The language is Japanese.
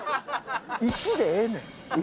１でええねん。